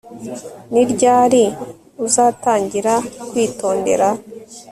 Ni ryari uzatangira kwitondera